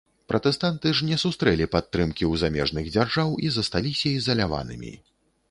Пратэстанты ж не сустрэлі падтрымкі ў замежных дзяржаў і засталіся ізаляванымі.